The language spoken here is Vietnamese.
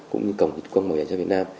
cũng như cổng dịch công bảo hiểm dội việt nam